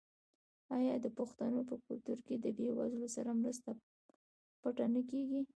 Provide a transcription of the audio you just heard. آیا د پښتنو په کلتور کې د بې وزلو سره مرسته پټه نه کیږي؟